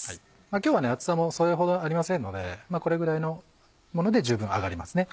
今日は厚さもそれほどありませんのでこれぐらいのもので十分揚がりますね。